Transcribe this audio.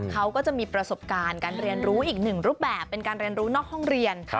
เขาก็จะมีประสบการณ์การเรียนรู้อีกหนึ่งรูปแบบเป็นการเรียนรู้นอกห้องเรียน